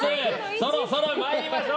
そろそろ参りましょう。